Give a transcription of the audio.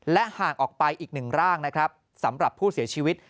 และห่างออกไปอีกหนึ่งร่างสำหรับผู้เสียชีวิต